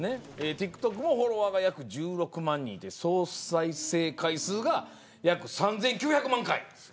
ＴｉｋＴｏｋもフォロワーが約１６万人で総再生回数が約３９００万回。